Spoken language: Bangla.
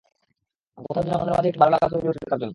কোথাও যেন মনের মাঝে একটু ভালো লাগা তৈরি হয়েছিল তার জন্য।